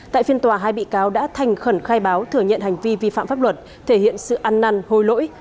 tại phiên tòa hai bị cáo đã thành khẩn khai báo thừa nhận hành vi vi phạm pháp luật thể hiện sự ăn năn hối lỗi